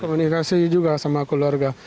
berkomunikasi juga sama keluarga